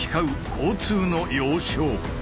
交通の要衝。